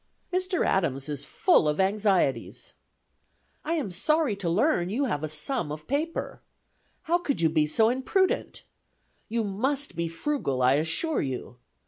Mr. Adams is full of anxieties: "I am sorry to learn you have a sum of paper. How could you be so imprudent? You must be frugal, I assure you.